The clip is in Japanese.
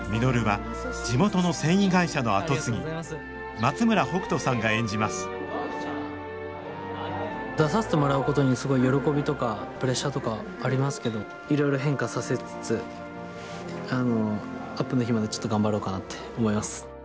松村北斗さんが演じます出させてもらうことにすごい喜びとかプレッシャーとかありますけどいろいろ変化させつつあのアップの日までちょっと頑張ろうかなって思います。